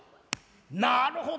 なるほど！